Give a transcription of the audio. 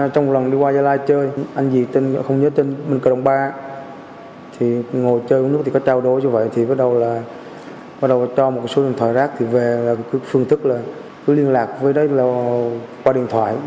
trong lần đi qua gia lai chơi anh dì không nhớ tên mình cơ đồng ba ngồi chơi có trao đối như vậy bắt đầu cho một số điện thoại rác về phương thức là liên lạc với đấy là qua điện thoại